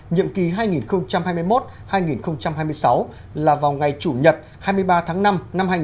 nhiệm kỳ hai nghìn hai mươi một hai nghìn hai mươi sáu là vào ngày chủ nhật hai mươi ba tháng năm năm hai nghìn hai mươi